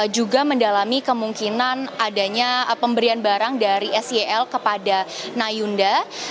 juga mendalami kemungkinan adanya pemberian barang dari sel kepada nayunda